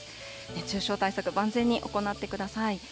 熱中症対策、万全に行ってください。